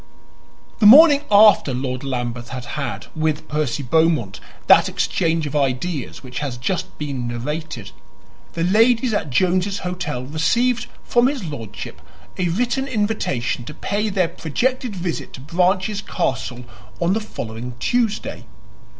The morning after Lord Lambeth had had, with Percy Beaumont, that exchange of ideas which has just been narrated, the ladies at Jones's Hotel received from his lordship a written invitation to pay their projected visit to Branches Castle on the following Tuesday.